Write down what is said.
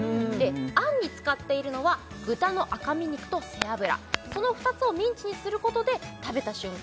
あんに使っているのは豚の赤身肉と背脂その２つをミンチにすることで食べた瞬間